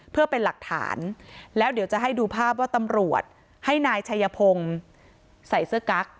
เพื่อเป็นหลักฐานแล้วเดี๋ยวจะให้ดูภาพว่าตำรวจให้นายชัยพงศ์ใส่เสื้อกั๊ก